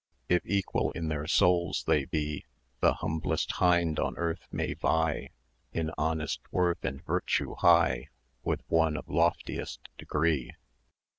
If equal in their souls they be, The humblest hind on earth may vie In honest worth and virtue high With one of loftiest degree.